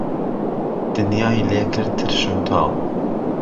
دنیای لێ کرد ترش و تاڵ